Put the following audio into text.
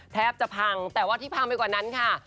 แทบจะพังแต่ว่าที่พังไปกว่านั้นค่ะ